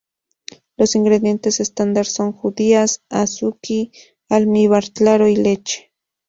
Los ingredientes estándar son judías "azuki", almíbar claro y leche.